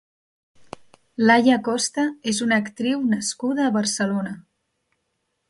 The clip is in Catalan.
Laia Costa és una actriu nascuda a Barcelona.